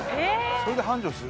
それで繁盛する？